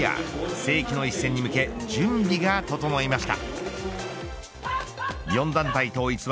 世紀の一戦に向け準備が整いました。